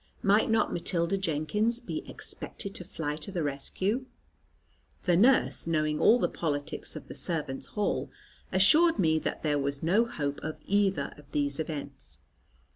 Might not Matilda Jenkins be expected to fly to the rescue? The nurse, knowing all the politics of the servants' hall, assured me that there was no hope of either of these events.